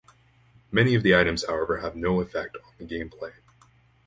Many of the items however have no effect on the gameplay.